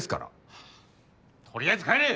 ハァ取りあえず帰れ！